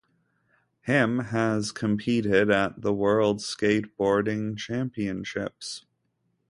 Hym has competed at the World Skateboarding Championships.